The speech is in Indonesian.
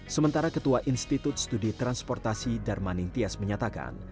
sementara ketua institut studi transportasi darmaning tias menyatakan